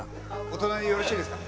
お隣よろしいですか？